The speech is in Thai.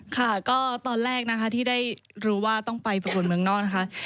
ค่ะก็ตอนแรกนะคะที่ได้รู้ว่าต้องไปเป็นคนเมืองนอกนะคะ